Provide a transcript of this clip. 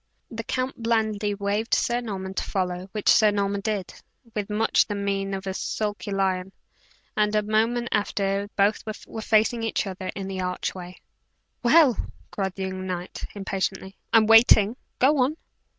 The count blandly waved Sir Norman to follow, which Sir Norman did, with much the mein of a sulky lion; and, a moment after, both were facing each other within the archway. "Well!" cried the young knight, impatiently; "I am waiting. Go on!"